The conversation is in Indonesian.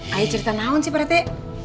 ayo cerita naun sih pak rete